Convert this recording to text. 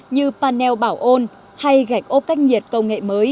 như panel bảo ôn hay gạch ôn